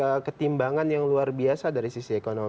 jadi ketimbangan yang luar biasa dari sisi ekonomi